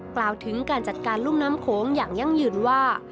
กล่าวถึงการจัดการรุ่มน้ำโขงอย่างยั่งยืนว่า